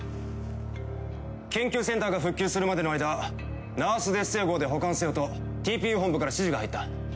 研究センターが復旧するまでの間ナースデッセイ号で保管せよとＴＰＵ本部から指示が入った。